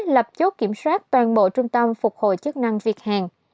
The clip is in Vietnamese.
lập chốt kiểm soát toàn bộ trung tâm phục hồi chức năng việt hàn